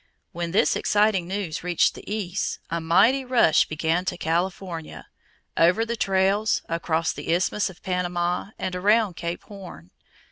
When this exciting news reached the East, a mighty rush began to California, over the trails, across the Isthmus of Panama, and around Cape Horn.